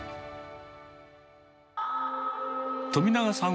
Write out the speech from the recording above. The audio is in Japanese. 富永さん